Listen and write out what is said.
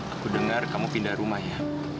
aku dengar kamu pindah rumah ya